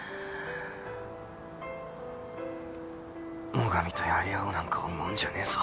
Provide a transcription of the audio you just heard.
最上とやり合おうなんか思うんじゃねえぞ。